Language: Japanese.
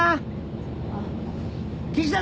岸田